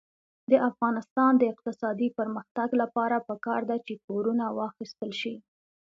د افغانستان د اقتصادي پرمختګ لپاره پکار ده چې پورونه واخیستل شي.